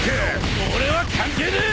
俺は関係ねえ！